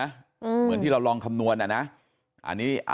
เหมือนที่เราลองคำนวณอ่ะนะ